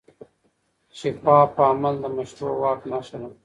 شفاف عمل د مشروع واک نښه ده.